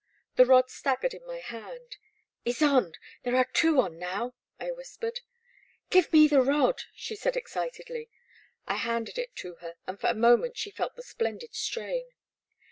The rod staggered in my hand. Ysonde, there are two 'on now !" I whis pered. Give me the rod I " she said, excitedly. I handed it to her, and for a moment she felt the splendid strain.